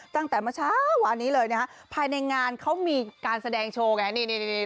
ตั้งแต่เมื่อเช้าวานนี้เลยนะฮะภายในงานเขามีการแสดงโชว์ไงนี่นี่